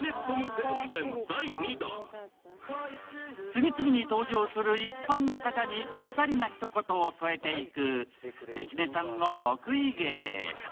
次々に登場する一般の方にぴったりなひと言を添えていく関根さんの得意芸。